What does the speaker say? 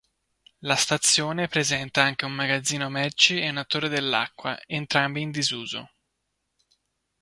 La stazione presenta anche un magazzino merci e una torre dell'acqua, entrambi in disuso.